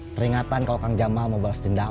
peringatan kalau kang jamal mau balas dendam